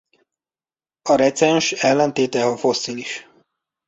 A recens ellentéte a fosszilis.